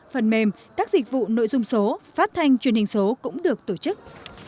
phần mềm các dịch vụ nội dung số phát thanh truyền hình số cũng được tổ chức